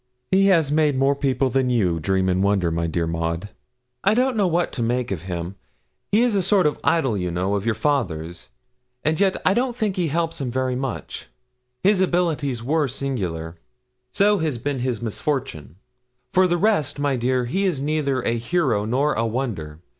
'He has made more people than you dream and wonder, my dear Maud. I don't know what to make of him. He is a sort of idol, you know, of your father's, and yet I don't think he helps him much. His abilities were singular; so has been his misfortune; for the rest, my dear, he is neither a hero nor a wonder.